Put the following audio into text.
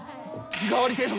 日替わり定食。